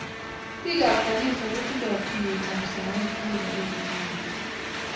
Biik ab kanisa kokitindo tuyet ab saet eng kibagenge eng kanisa